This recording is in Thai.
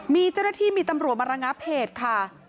มีเจ้าหน้าที่มีตำรวจมาระงับเหตุค่ะ